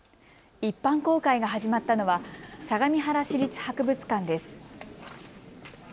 一般公開が始まったのは相模原市立博物館です。